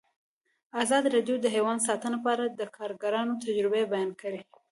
ازادي راډیو د حیوان ساتنه په اړه د کارګرانو تجربې بیان کړي.